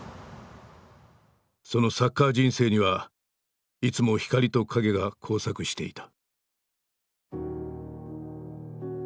そのサッカー人生にはいつも光と影が交錯していた。